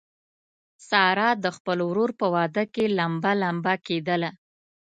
ساره د خپل ورور په واده کې لمبه لمبه کېدله.